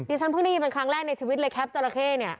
ฉันเพิ่งได้ยินเป็นครั้งแรกในชีวิตเลยแคปจราเข้เนี่ย